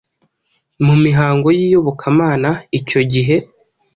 mu mihango y’iyobokamana icyogihe.